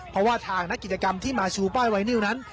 เพราะว่าทางนักกิจกรรมที่มาชูป้ายไวนิวนั้น